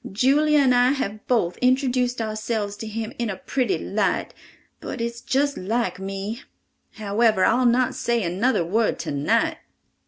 Julia and I have both introduced ourselves to him in a pretty light, but it's just like me—however, I'll not say another word tonight!"